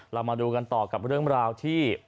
เรามาดูกันต่อกับเรื่องราวที่